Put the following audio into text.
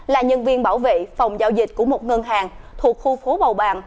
là nhân viên bảo vệ phòng giao dịch của một ngân hàng thuộc khu phố bầu bàng